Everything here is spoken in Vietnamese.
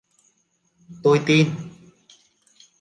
tôi tin